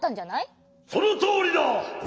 そのとおりだ！